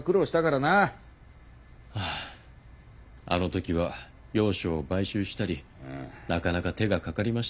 ハァあのときは楊松を買収したりなかなか手がかかりました。